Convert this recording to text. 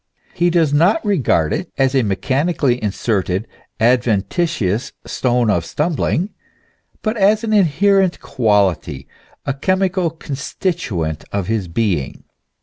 He does not regard it as a mechanically inserted, adventitious stone of stumbling, but as an inherent quality, a chemical constituent of his being.